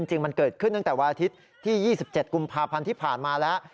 จริงมันเกิดขึ้นตั้งแต่วันอาทิตย์ที่๒๗กุมภาพันธ์ที่ผ่านมาแล้ว